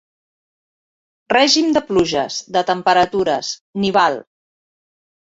Règim de pluges, de temperatures, nival.